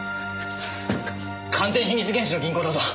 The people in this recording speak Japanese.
完全秘密厳守の銀行だぞ。